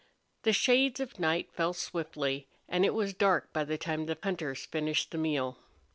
The shades of night fell swiftly, and it was dark by the time the hunters finished the meal.